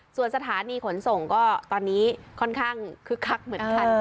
ส่วนสถานีขนส่งก็ตอนนี้ค่อนข้างคึกคักเหมือนกัน